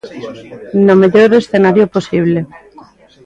No mellor escenario posible.